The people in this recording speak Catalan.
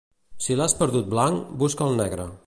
Si l'has perdut blanc, busca'l negre.